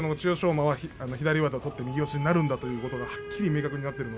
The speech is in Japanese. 馬は左上手を取って右四つになるということがはっきり明確になっています。